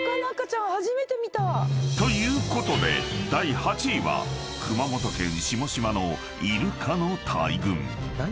［ということで第８位は熊本県下島のイルカの大群］